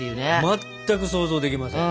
全く想像できません。